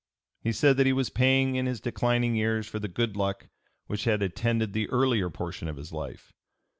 He said that he was paying in his declining years for the good luck which had attended the earlier portion of his life.